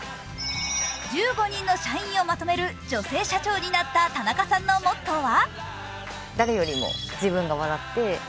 １５人の社員をまとめる社長になった田中さんのモットーは？